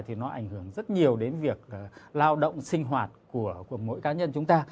thì nó ảnh hưởng rất nhiều đến việc lao động sinh hoạt của mỗi cá nhân chúng ta